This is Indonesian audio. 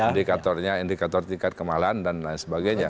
indikatornya indikator tingkat kemalahan dan lain sebagainya